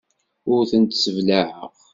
Ur tent-sseblaɛeɣ.